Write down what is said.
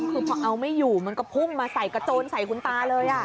คือพอเอาไม่อยู่มันก็พุ่งมาใส่กระโจนใส่คุณตาเลย